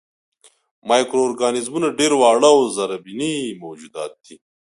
مایکرو ارګانیزمونه ډېر واړه او زرېبيني موجودات دي.